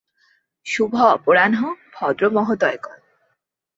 শুভ অপরাহ্ন, ভদ্র মহোদয়গণ।